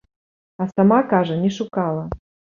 А сама, кажа, не шукала.